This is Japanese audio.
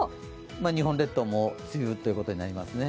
日本列島も梅雨ということになりますね。